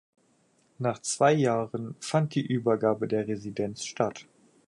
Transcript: Nach zwei Jahren fand die Übergabe der Residenz statt.